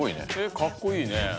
かっこいいね。